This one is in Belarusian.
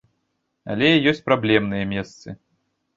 Але ёсць праблемныя месцы.